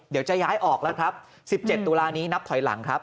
เดี๋ยวจะย้ายออกแล้วครับ๑๗ตุลานี้นับถอยหลังครับ